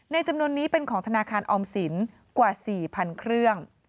จำนวนนี้เป็นของธนาคารออมสินกว่า๔๐๐๐เครื่อง